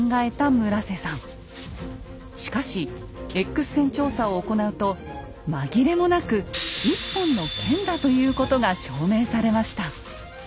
しかしＸ線調査を行うと紛れもなく１本の剣だということが証明されました。